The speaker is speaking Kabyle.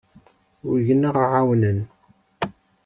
Ugin ad aɣ-ɛawnen.